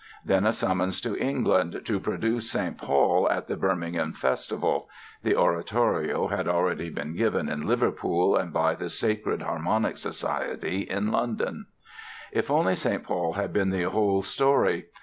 Then a summons to England, to produce "St. Paul" at the Birmingham Festival (the oratorio had already been given in Liverpool and by the Sacred Harmonic Society in London). If only "St. Paul" had been the whole story!